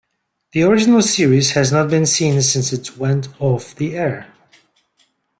The original series has not been seen since it went off the air.